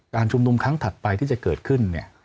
ชุมนุมครั้งถัดไปที่จะเกิดขึ้นเนี่ย